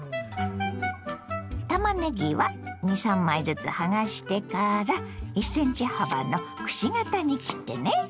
たまねぎは２３枚ずつ剥がしてから１ｃｍ幅のくし形に切ってね。